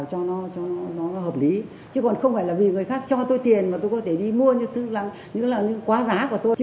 cho nên tôi nghĩ là nên tiết kiệm chứ không tôi nhắc lại